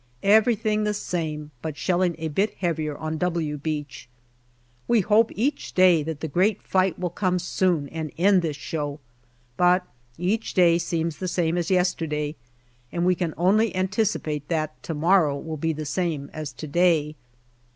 Everything the same, but shelling a bit heavier on " W " Beach. We hope each day that the great fight will come soon and end this show, but each day seems the same as yester day, and we can only anticipate that to morrow will be the same as to day.